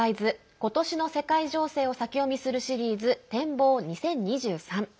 今年の世界情勢を先読みするシリーズ展望２０２３。